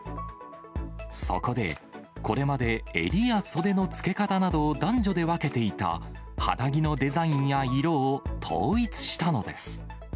そこで、これまで襟や袖の付け方などを男女で分けていた肌着のデザインや色を統一したのです。